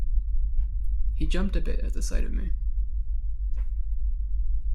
He jumped a bit at the sight of me.